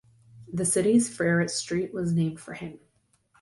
The city's Freret Street was named for him.